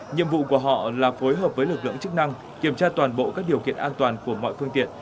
nhiệm vụ của họ là phối hợp với lực lượng chức năng kiểm tra toàn bộ các điều kiện an toàn của mọi phương tiện